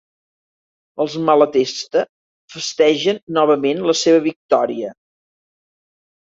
Els Malatesta festegen novament la seva victòria.